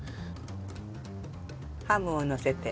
ハムをのせて。